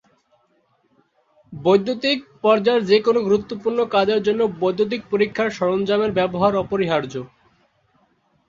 বৈদ্যুতিক পর্যায়ের যে কোনো গুরুত্বপূর্ণ কাজের জন্য বৈদ্যুতিক পরীক্ষার সরঞ্জামের ব্যবহার অপরিহার্য।